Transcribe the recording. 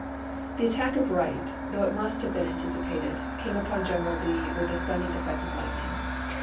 The attack of Wright, though it must have been anticipated, came upon General Lee with the stun ning effect of lightning.